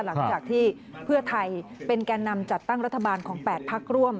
หลังจากที่เพื่อไทยเป็นแก่นำจัดตั้งรัฐบาลของ๘พักร่วม